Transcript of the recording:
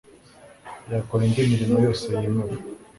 gukora indi mirimo yose yemewe